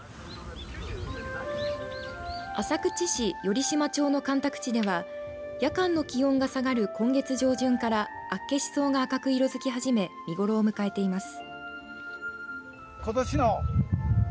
浅口市寄島町の干拓地では夜間の気温が下がる今月上旬からアッケシソウが赤く色づき始め見頃を迎えています。